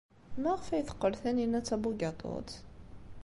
Maɣef ay teqqel Taninna d tabugaṭut?